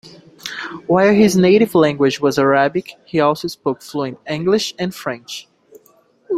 While his native language was Arabic, he also spoke fluent English and French.